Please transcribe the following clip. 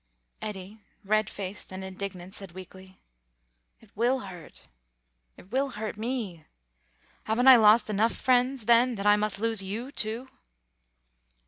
Eddy, red faced and indignant, said weakly, "It will hurt. It will hurt me. Haven't I lost enough friends, then, that I must lose you, too?"